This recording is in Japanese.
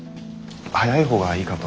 早い方がいいかと思って。